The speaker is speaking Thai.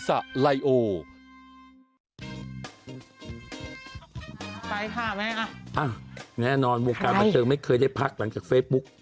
อ้าวแน่นอนบวกการบัตเตอร์ไม่เคยได้พักหลังจากเฟซบุ๊ก